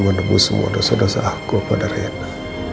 menembus semua dosa dosa aku pada rina